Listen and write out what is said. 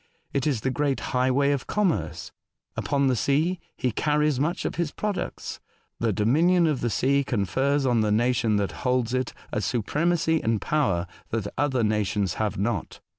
It is the great high way of commerce. Upon the sea he carries 172 A Voyage to Other Worlds, much of bis products. The dominion of the sea confers on the nation that holds it a supremacy and power that other nations have not.